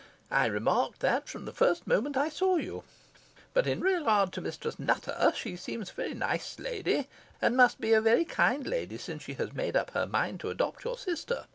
I remarked that from the first moment I saw you. But in regard to Mistress Nutter, she seems a very nice lady and must be a very kind lady, since she has made up her mind to adopt your sister.